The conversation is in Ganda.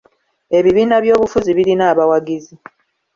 Ebibiina by'obufuzi birina abawagizi.